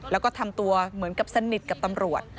แล้วก็ทำตัวเหมือนกับสนิทกับตำรวจ